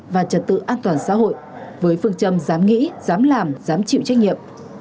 và trật tự an toàn xã hội với phương châm dám nghĩ dám làm dám chịu trách nhiệm